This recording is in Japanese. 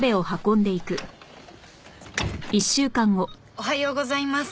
「おはようございます！」